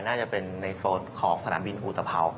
น่าจะเป็นในโซนของสนามบินอุตภัว